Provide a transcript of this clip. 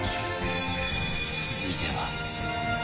続いては